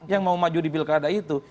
yang mau maju di pilkada itu